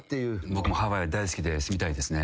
僕もハワイ大好きで住みたいですね。